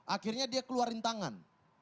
akhirnya dia keluarin tangan